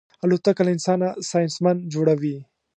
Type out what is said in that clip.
الوتکه له انسانه ساینسمن جوړوي.